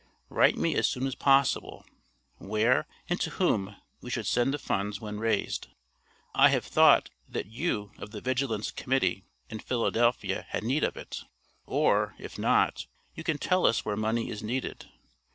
Write me as soon as possible, where and to whom we should send the funds when raised. I have thought that you of the Vigilance Committee, in Philadelphia had need of it. Or, if not, you can tell us where money is needed.